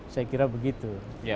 saya kira begitu